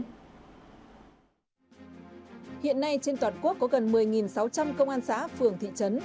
hiện nay trên toàn quốc có gần một mươi sáu trăm linh công an xã phường thị trấn